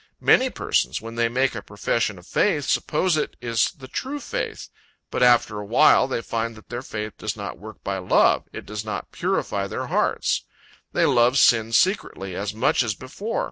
Many persons, when they make a profession of faith, suppose it is the true faith, but after a while, they find that their faith does not work by love, it does not purify their hearts. They love sin secretly, as much as before.